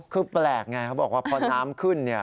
คือแปลกไงเขาบอกว่าพอน้ำขึ้น